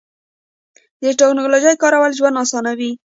د تکنالوژۍ کارول ژوند اسانوي.